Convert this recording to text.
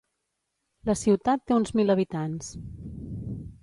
La ciutat té uns mil habitants.